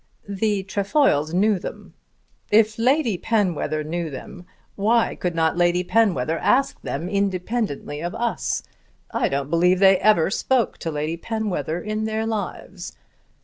"The Trefoils knew them." "If Lady Penwether knew them why could not Lady Penwether ask them independently of us? I don't believe they ever spoke to Lady Penwether in their lives.